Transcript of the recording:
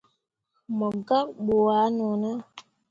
Mo gak ɓu ah none.